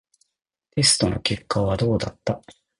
テストの結果はどうだった？